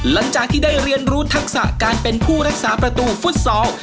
หลังจากที่ได้เรียนรู้ทักษะการเป็นผู้รักษาประตูฟุตซอล